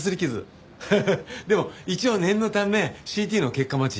ハハッでも一応念のためＣＴの結果待ち。